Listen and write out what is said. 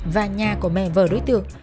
và nhà của mẹ vợ đối tượng